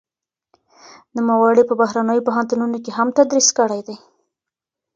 نوموړي په بهرنيو پوهنتونونو کې هم تدريس کړی دی.